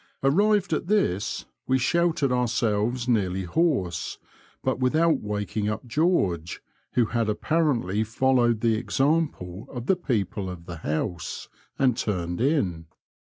Arrived at this, we shouted ourselves nearly hoarse, but without waking up George, who had apparently followed the example of the people at the house^ and turned in.